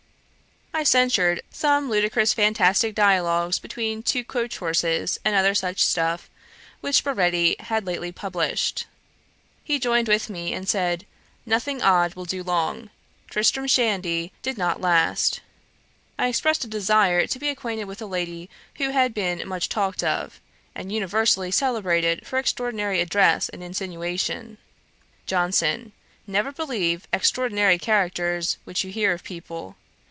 I censured some ludicrous fantastick dialogues between two coach horses and other such stuff, which Baretti had lately published. He joined with me, and said, 'Nothing odd will do long. Tristram Shandy did not last.' I expressed a desire to be acquainted with a lady who had been much talked of, and universally celebrated for extraordinary address and insinuation. JOHNSON. 'Never believe extraordinary characters which you hear of people.